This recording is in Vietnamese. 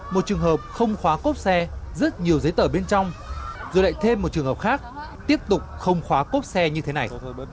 một trường hợp không khóa cốp xe rất nhiều giấy tờ bên trong rồi lại thêm một trường hợp khác tiếp tục không khóa cốp xe như thế này